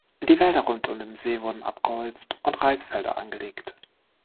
Die Wälder rund um den See wurden abgeholzt und Reisfelder angelegt.